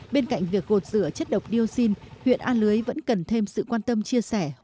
bên cạnh việc gột rửa chất độc dioxin huyện a lưới vẫn cần thêm sự quan tâm chia sẻ